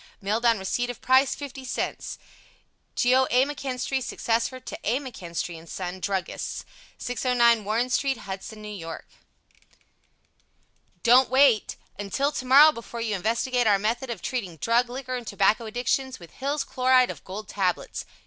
Mailed on receipt of price, 50 cents. Geo. A. McKinstry Successor to A. McKinstry & Son, Druggists 609 Warren Street, HUDSON. N. Y. Don't Wait Until tomorrow before you investigate our method of treating Drug, Liquor and Tobacco addictions with Hill's Chloride of Gold Tablets.